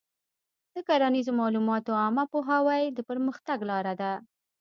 د کرنیزو معلوماتو عامه پوهاوی د پرمختګ لاره ده.